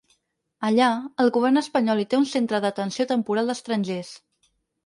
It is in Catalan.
Allà, el govern espanyol hi té un centre d’atenció temporal d’estrangers.